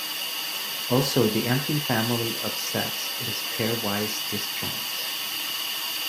Also the empty family of sets is pairwise disjoint.